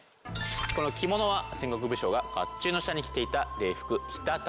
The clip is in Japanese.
この着物は戦国武将が甲冑の下に着ていた礼服直垂。